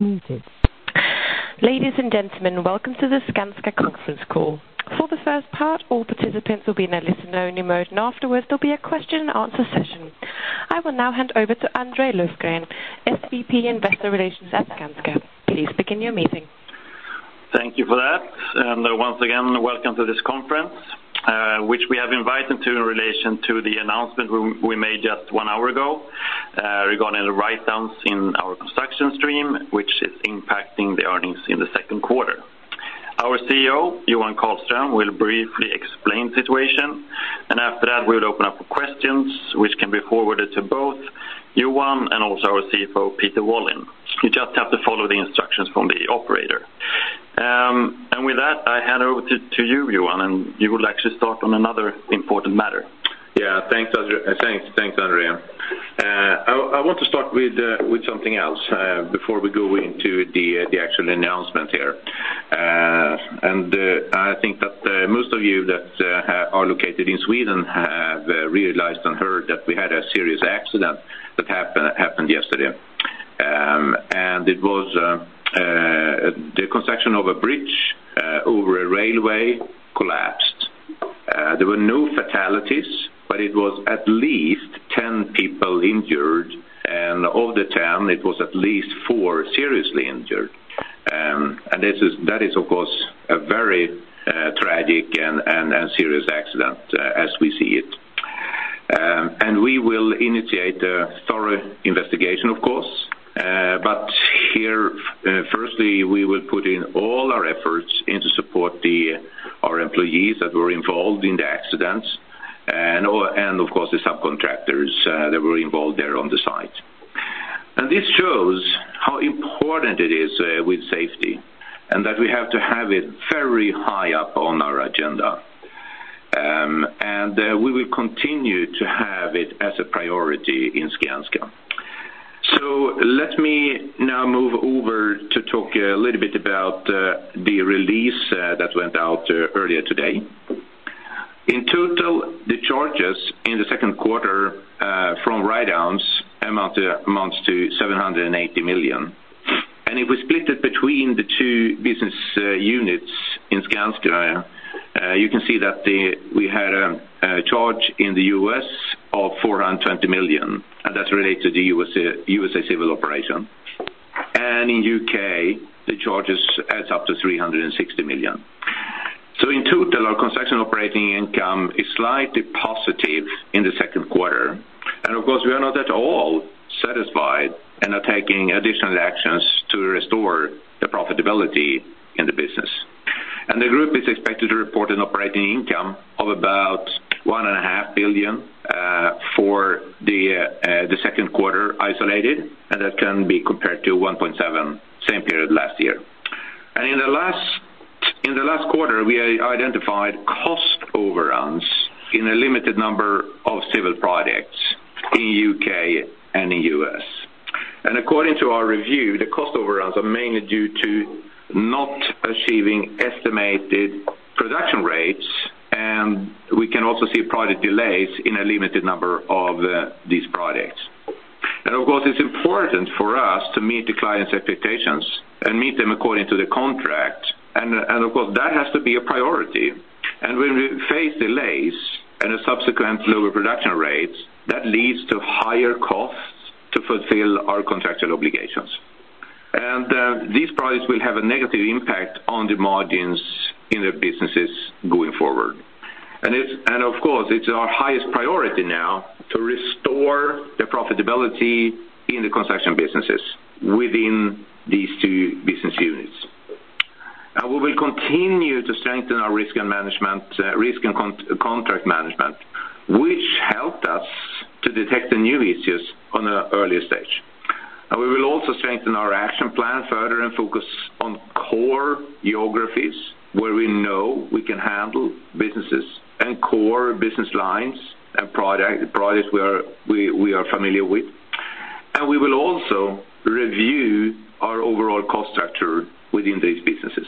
Ladies and gentlemen, welcome to the Skanska conference call. For the first part, all participants will be in a listen-only mode, and afterwards, there'll be a question and answer session. I will now hand over to André Löfgren, SVP Investor Relations at Skanska. Please begin your meeting. Thank you for that, and once again, welcome to this conference, which we have invited to in relation to the announcement we made just one hour ago, regarding the write-downs in our construction stream, which is impacting the earnings in the second quarter. Our CEO, Johan Karlström, will briefly explain the situation, and after that, we'll open up for questions, which can be forwarded to both Johan and also our CFO, Peter Wallin. You just have to follow the instructions from the operator. And with that, I hand over to you, Johan, and you would like to start on another important matter. Yeah. Thanks, André—thanks, thanks, André. I want to start with something else before we go into the actual announcement here. And I think that most of you that are located in Sweden have realized and heard that we had a serious accident that happened yesterday. And it was the construction of a bridge over a railway collapsed. There were no fatalities, but it was at least 10 people injured, and of the 10, it was at least four seriously injured. And this is—that is, of course, a very tragic and serious accident as we see it. We will initiate a thorough investigation, of course, but here, firstly, we will put in all our efforts in to support the, our employees that were involved in the accident, and, and of course, the subcontractors, that were involved there on the site. This shows how important it is, with safety, and that we have to have it very high up on our agenda, and, we will continue to have it as a priority in Skanska. So let me now move over to talk a little bit about, the release, that went out, earlier today. In total, the charges in the second quarter, from write-downs amount to 780 million. And if we split it between the two business, units in Skanska, you can see that the... We had a charge in the U.S. of 420 million, and that's related to the U.S.A. Civil operation. In U.K., the charges add up to 360 million. In total, our construction operating income is slightly positive in the second quarter. Of course, we are not at all satisfied and are taking additional actions to restore the profitability in the business. The group is expected to report an operating income of about 1.5 billion for the second quarter isolated, and that can be compared to 1.7, same period last year. In the last quarter, we identified cost overruns in a limited number of civil projects in U.K. and in U.S. According to our review, the cost overruns are mainly due to not achieving estimated production rates, and we can also see project delays in a limited number of these projects. Of course, it's important for us to meet the clients' expectations and meet them according to the contract, and, of course, that has to be a priority. When we face delays and a subsequent lower production rates, that leads to higher costs to fulfill our contractual obligations. These projects will have a negative impact on the margins in the businesses going forward. Of course, it's our highest priority now to restore the profitability in the construction businesses within these two business units. We will continue to strengthen our risk and contract management, which helped us to detect the new issues on an earlier stage. We will also strengthen our action plan further and focus on core geographies where we know we can handle businesses and core business lines and product, products we are familiar with. We will also review our overall cost structure within these businesses.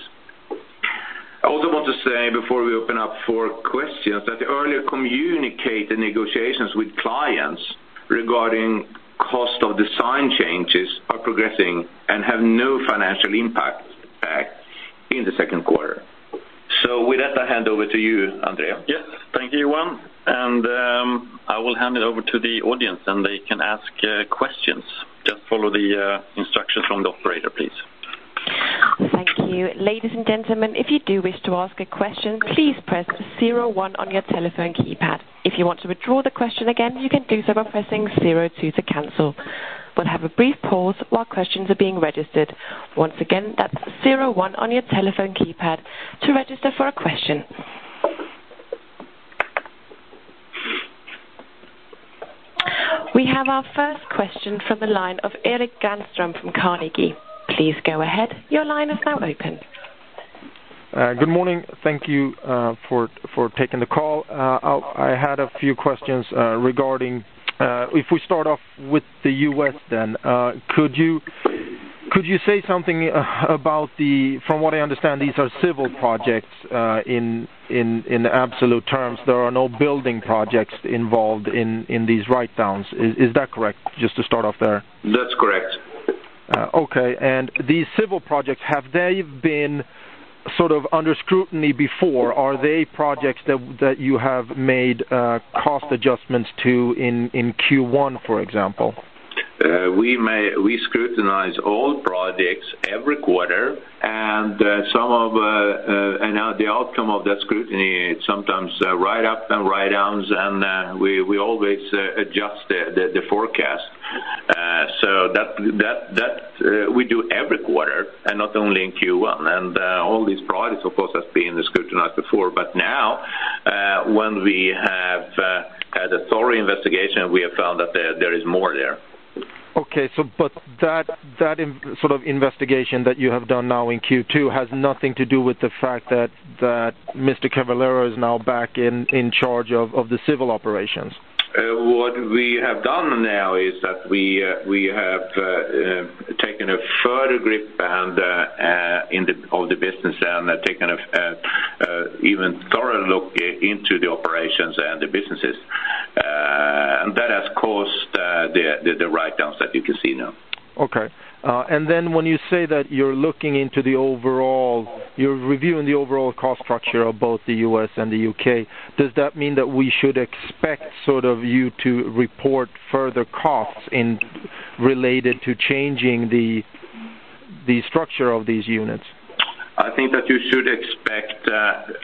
I also want to say, before we open up for questions, that the earlier communicated negotiations with clients regarding cost of design changes are progressing and have no financial impact in the second quarter. With that, I hand over to you, André. Yes, thank you, Johan, and I will hand it over to the audience, and they can ask questions. Just follow the instructions from the operator, please. Thank you. Ladies and gentlemen, if you do wish to ask a question, please press zero-one on your telephone keypad. If you want to withdraw the question again, you can do so by pressing zero-two to cancel. We'll have a brief pause while questions are being registered. Once again, that's zero-one on your telephone keypad to register for a question. We have our first question from the line of Erik Granström from Carnegie. Please go ahead. Your line is now open. Good morning. Thank you for taking the call. I had a few questions regarding if we start off with the U.S. then, could you say something about. From what I understand, these are civil projects in absolute terms, there are no building projects involved in these write-downs. Is that correct? Just to start off there. That's correct. Okay, and these civil projects, have they been sort of under scrutiny before? Are they projects that you have made cost adjustments to in Q1, for example? We scrutinize all projects every quarter, and some of the outcome of that scrutiny is sometimes write up and write downs, and we always adjust the forecast. That we do every quarter, not only in Q1. All these projects, of course, have been scrutinized before, but now, when we have had a thorough investigation, we have found that there is more there. Okay, but that investigation that you have done now in Q2 has nothing to do with the fact that Mr. Cavallaro is now back in charge of the civil operations? What we have done now is that we have taken a further grip on the business and taken an even thorough look into the operations and the businesses. And that has caused the write-downs that you can see now. Okay. And then when yofu say that you're looking into the overall... You're reviewing the overall cost structure of both the U.S. and the U.K., does that mean that we should expect, sort of, you to report further costs in relation to changing the, the structure of these units? I think that you should expect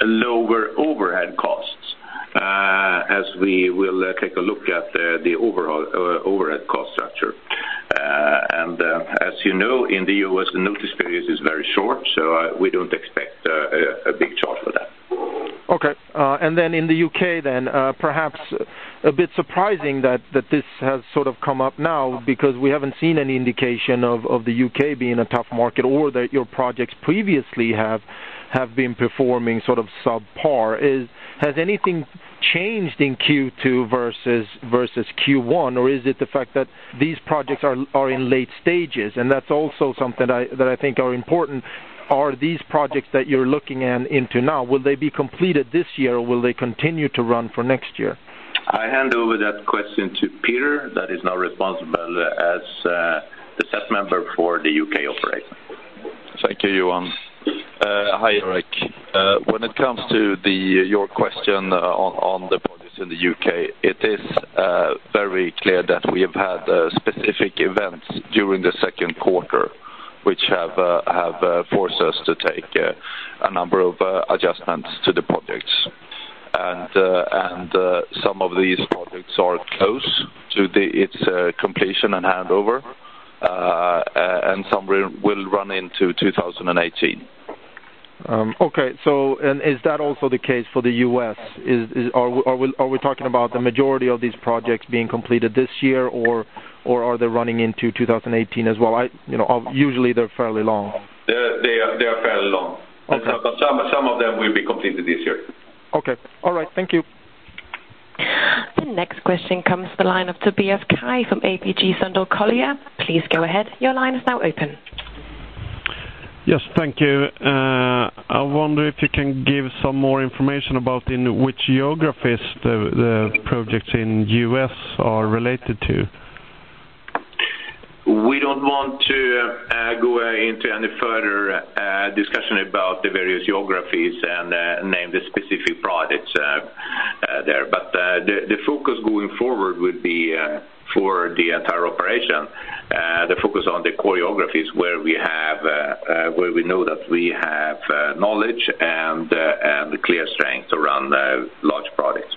lower overhead costs, as we will take a look at the overall overhead cost structure. As you know, in the U.S., the notice period is very short, so we don't expect a big charge for that. Okay, and then in the UK then, perhaps a bit surprising that this has sort of come up now, because we haven't seen any indication of the UK being a tough market or that your projects previously have been performing sort of subpar. Has anything changed in Q2 versus Q1, or is it the fact that these projects are in late stages? And that's also something that I think are important. Are these projects that you're looking into now, will they be completed this year, or will they continue to run for next year? I hand over that question to Peter, that is now responsible as the staff member for the UK operation. Thank you, Johan. Hi, Erik. When it comes to your question on the projects in the UK, it is very clear that we have had specific events during the second quarter, which have forced us to take a number of adjustments to the projects. Some of these projects are close to its completion and handover, and some will run into 2018. Okay. So, is that also the case for the U.S.? Are we talking about the majority of these projects being completed this year, or are they running into 2018 as well? You know, usually they're fairly long. They are, they are fairly long. Okay. But some, some of them will be completed this year. Okay. All right, thank you. The next question comes from the line of Tobias Kaj from ABG Sundal Collier. Please go ahead. Your line is now open. Yes, thank you. I wonder if you can give some more information about in which geographies the projects in U.S. are related to? We don't want to go into any further discussion about the various geographies and name the specific projects there. But the focus going forward would be, for the entire operation, the focus on the core geographies where we know that we have knowledge and clear strength around the large projects.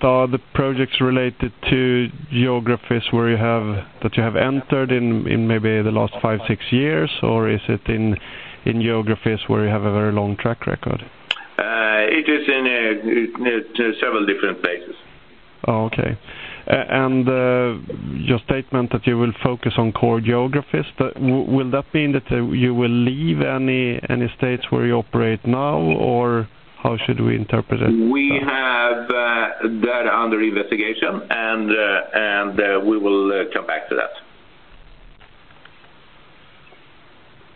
Are the projects related to geographies where you have, that you have entered in, in maybe the last five, six years? Or is it in, in geographies where you have a very long track record? It is in several different places. Oh, okay. And your statement that you will focus on core geographies, but will that mean that you will leave any states where you operate now, or how should we interpret it? We have that under investigation, and we will come back to that.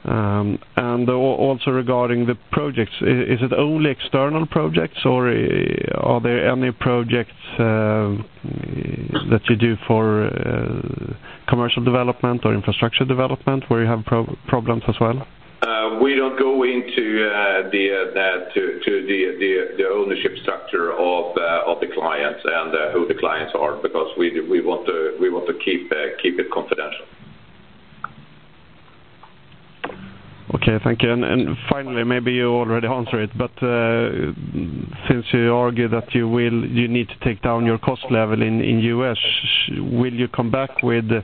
And also regarding the projects, is it only external projects, or are there any projects that you do for commercial development or infrastructure development, where you have problems as well? We don't go into the ownership structure of the clients and who the clients are, because we want to keep it confidential. Okay, thank you. And, and finally, maybe you already answered it, but, since you argue that you will—you need to take down your cost level in, in U.S., will you come back with, you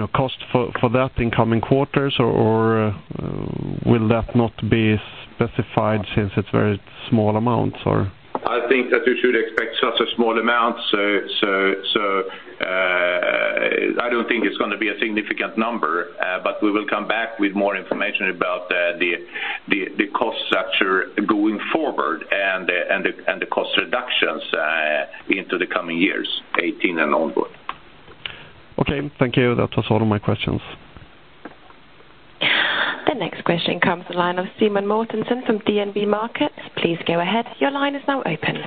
know, cost for, for that in coming quarters, or, or will that not be specified since it's very small amounts, or? I think that you should expect such a small amount, so I don't think it's gonna be a significant number, but we will come back with more information about the cost structure going forward and the cost reductions into the coming years, 2018 and onward. Okay, thank you. That was all of my questions. Next question comes the line of Simen Mortensen from DNB Markets. Please go ahead. Your line is now open.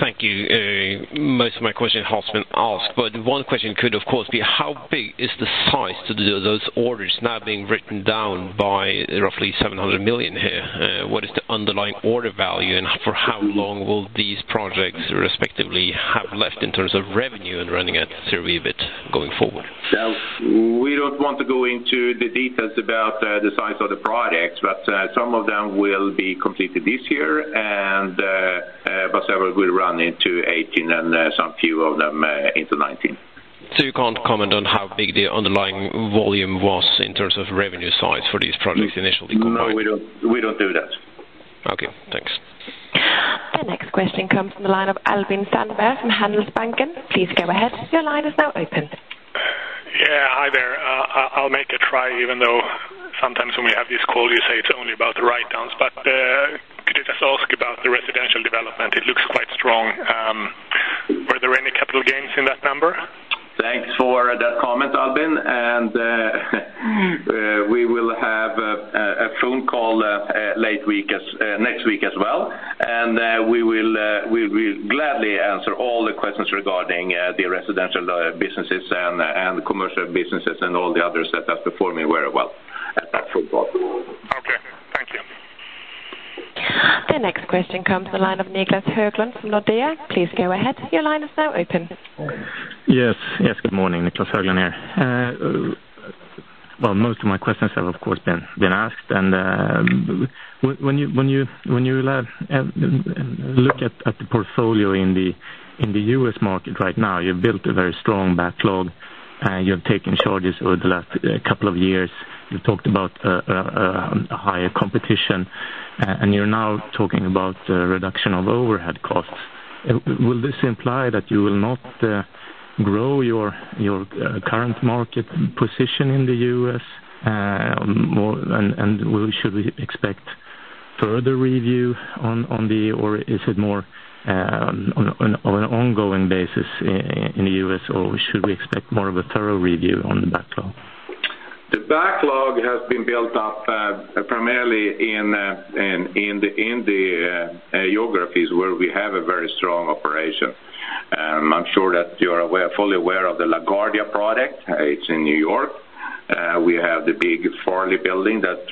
Thank you. Most of my question has been asked, but one question could, of course, be: How big is the size to those orders now being written down by roughly 700 million here? What is the underlying order value, and for how long will these projects respectively have left in terms of revenue and running at service going forward? So we don't want to go into the details about the size of the projects, but some of them will be completed this year, and but several will run into 2018 and some few of them into 2019. So you can't comment on how big the underlying volume was in terms of revenue size for these projects initially? No, we don't. We don't do that. Okay, thanks. The next question comes from the line of Alvin Sandberg from Handelsbanken. Please go ahead. Your line is now open. Yeah, hi there. I'll make a try, even though sometimes when we have these calls, you say it's only about the write-downs. But, could you just ask about the residential development? It looks quite strong. Were there any capital gains in that number? Thanks for that comment, Alvin, and we will have a phone call late next week as well, and we will gladly answer all the questions regarding the residential businesses and commercial businesses and all the others that are before me very well at that phone call. Okay, thank you. The next question comes from the line of Niclas Höglund from Nordea. Please go ahead. Your line is now open. Yes, yes, good morning, Niclas Höglund here. Well, most of my questions have, of course, been asked, and when you look at the portfolio in the US market right now, you've built a very strong backlog, and you have taken charges over the last couple of years. You've talked about a higher competition, and you're now talking about a reduction of overhead costs. Will this imply that you will not grow your current market position in the US? And should we expect further review on the backlog, or is it more on an ongoing basis in the US, or should we expect more of a thorough review on the backlog? The backlog has been built up, primarily in the geographies where we have a very strong operation. I'm sure that you are aware, fully aware of the LaGuardia project. It's in New York. We have the big Farley Building that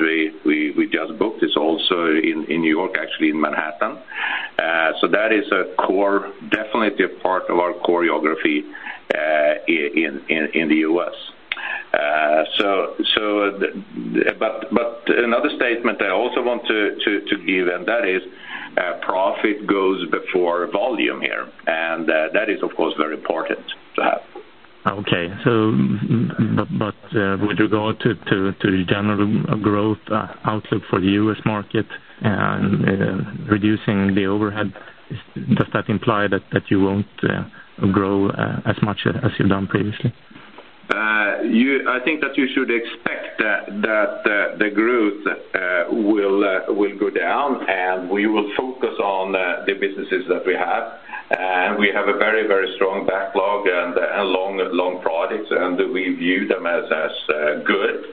we just booked. It's also in New York, actually in Manhattan. So that is a core, definitely a part of our core geography in the US. So, but another statement I also want to give, and that is profit goes before volume here, and that is, of course, very important to have. Okay, so but, with regard to the general growth outlook for the U.S. market and reducing the overhead, does that imply that you won't grow as much as you've done previously? I think that you should expect that the growth will go down, and we will focus on the businesses that we have. We have a very, very strong backlog and a long, long products, and we view them as good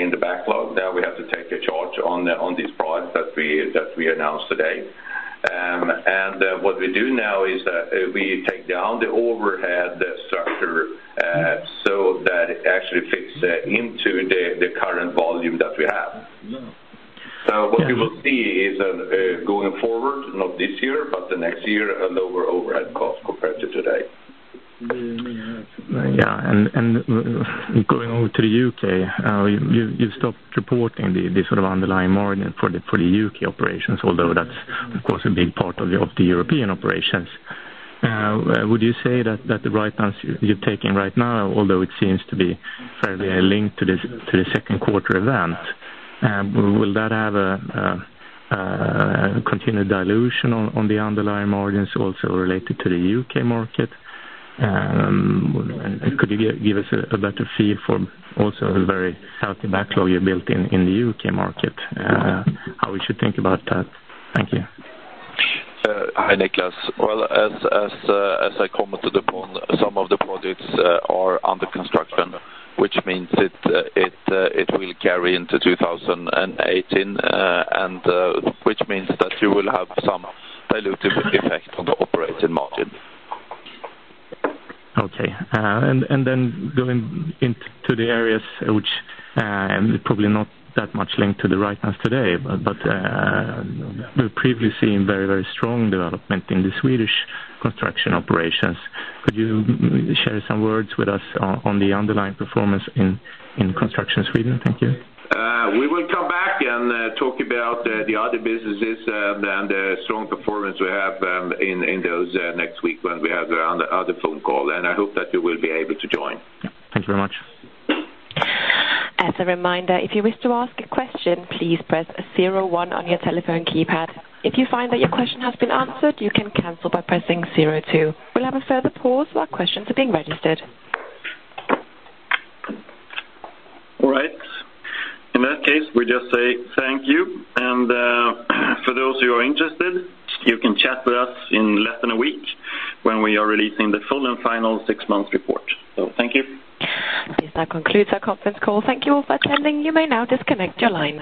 in the backlog. Now, we have to take a charge on these products that we announced today. And what we do now is we take down the overhead structure so that it actually fits into the current volume that we have. Yeah. So what we will see is, going forward, not this year, but the next year, a lower overhead cost compared to today. Yeah, and going over to the UK, you stopped reporting the sort of underlying margin for the UK operations, although that's, of course, a big part of the European operations. Would you say that the write-downs you're taking right now, although it seems to be fairly linked to this, to the second quarter event, will that have a continued dilution on the underlying margins also related to the UK market? And could you give us a better feel for also the very healthy backlog you built in the UK market, how we should think about that? Thank you. Hi, Nicholas. Well, as I commented upon, some of the projects are under construction, which means it will carry into 2018, and which means that you will have some dilutive effect on the operating margin. Okay, and then going into the areas which and probably not that much linked to the write-downs today, but we've previously seen very, very strong development in the Swedish construction operations. Could you share some words with us on the underlying performance in construction Sweden? Thank you. We will come back and talk about the other businesses and the strong performance we have in those next week when we have the other phone call, and I hope that you will be able to join. Thank you very much. As a reminder, if you wish to ask a question, please press zero one on your telephone keypad. If you find that your question has been answered, you can cancel by pressing zero two. We'll have a further pause while questions are being registered. All right. In that case, we just say thank you, and, for those who are interested, you can chat with us in less than a week when we are releasing the full and final six-month report. Thank you. This now concludes our conference call. Thank you all for attending. You may now disconnect your line.